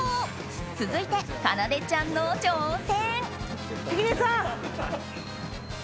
続いて、かなでちゃんの挑戦。